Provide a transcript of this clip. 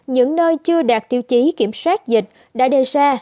những nơi chưa đạt tiêu chí kiểm soát dịch đã đề ra